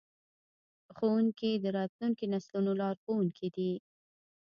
ښوونکي د راتلونکو نسلونو لارښوونکي دي.